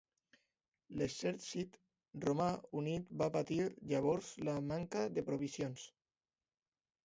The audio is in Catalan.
L'exèrcit romà unit va patir llavors la manca de provisions.